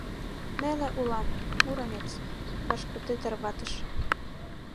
Неле улам Муромец вашкыде тарватыш.